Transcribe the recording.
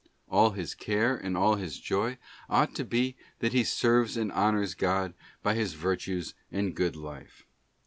All his care and all his joy ought to be that he serves and honours God by his virtues and good life.